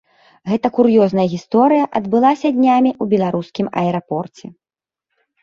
Гэтая кур'ёзная гісторыя адбылася днямі ў беларускім аэрапорце.